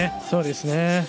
そうですね。